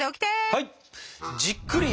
はい！